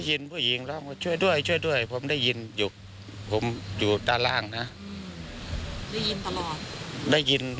หรือจะขึ้นไปข้างบนมี